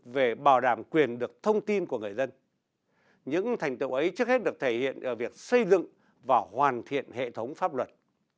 về bảo đảm quyền được thông tin của người dân những thành tựu ấy trước hết được thể hiện ở việc xây dựng và hoàn thiện hệ thống pháp luật